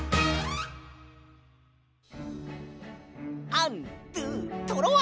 アンドゥトロワ！